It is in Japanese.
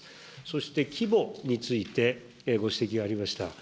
そして、規模についてご指摘がありました。